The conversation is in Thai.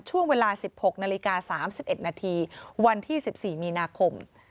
ช่วงเวลา๑๖นาฬิกา๓๑นาทีวันที่๑๔มีนาคม